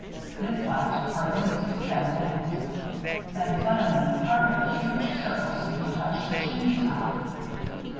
This lasted for at least ten minutes. Then, suddenly, part of the huge circle seemed to touch the chimney top.